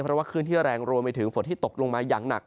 เพราะว่าคลื่นที่แรงรวมไปถึงฝนที่ตกลงมาอย่างหนัก